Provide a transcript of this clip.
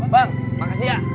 bang makasih ya